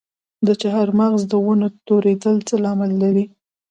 د چهارمغز د ونو توریدل څه لامل لري؟